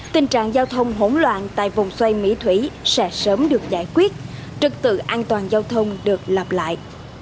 tình trạng giao thông hỗn loạn tại vòng xoay mỹ thủy sẽ sớm được giải quyết trật tự an toàn giao thông được lặp lại